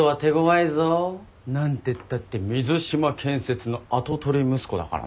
何てったって水島建設の跡取り息子だからな。